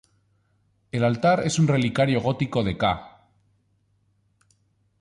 El altar es un relicario gótico de ca.